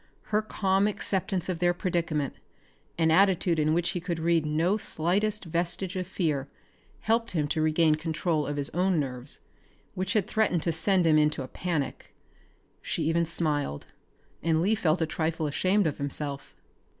Her calm acceptance of their predicament, an attitude in which he could read no slightest vestige of fear, helped him to regain control of his own nerves, which had threatened to send him into a panic. She even smiled, and Lee felt a trifle ashamed of himself.